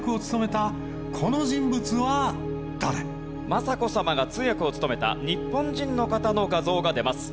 雅子さまが通訳を務めた日本人の方の画像が出ます。